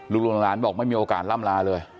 ลูกหลานบอกไม่มีโอกาสล่ำลาเลย